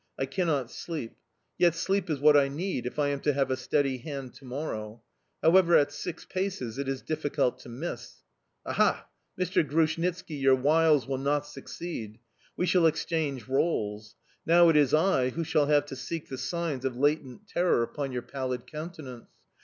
I cannot sleep... Yet sleep is what I need, if I am to have a steady hand to morrow. However, at six paces it is difficult to miss. Aha! Mr. Grushnitski, your wiles will not succeed!... We shall exchange roles: now it is I who shall have to seek the signs of latent terror upon your pallid countenance.